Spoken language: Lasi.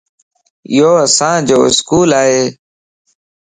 يو اسان جو اسڪول ائي